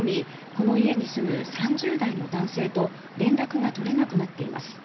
この家に住む３０代の男性と連絡が取れなくなっています。